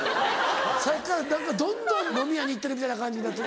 さっきからどんどん飲み屋に行ってるみたいな感じになってる。